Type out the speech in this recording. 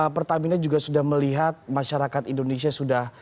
pertamina juga sudah melihat masyarakat indonesia sudah